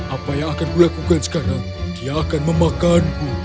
apa yang akan kulakukan sekarang dia akan memakanku